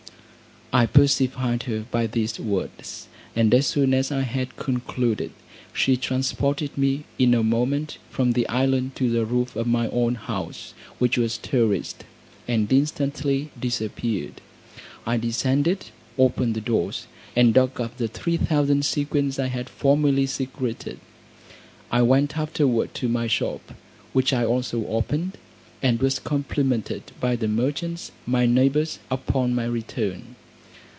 I pacified her by these words; and as soon as I had concluded, she transported me in a moment from the island to the roof of my own house, which was terraced, and instantly disappeared. I descended, opened the doors, and dug up the three thousand sequins I had formerly secreted. I went afterwards to my shop, which I also opened; and was complimented by the merchants, my neighbours, upon my return.